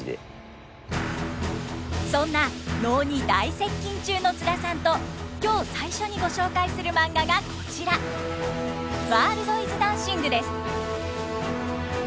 そんな能に大接近中の津田さんと今日最初にご紹介するマンガがこちら「ワールドイズダンシング」です。